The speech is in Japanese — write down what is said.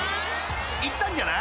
いったんじゃない？］